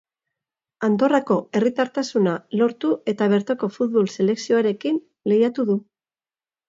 Andorrako herritartasuna lortu eta bertoko futbol selekzioarekin lehiatu du.